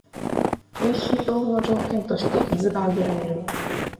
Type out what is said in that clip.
おいしい豆腐の条件として水が挙げられる